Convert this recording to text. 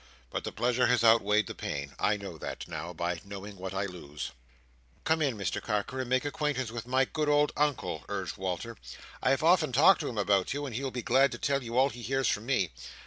But the pleasure has outweighed the pain. I know that, now, by knowing what I lose." "Come in, Mr Carker, and make acquaintance with my good old Uncle," urged Walter. "I have often talked to him about you, and he will be glad to tell you all he hears from me.